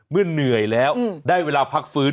เมื่อเหนื่อยแล้วได้เวลาพักฟื้น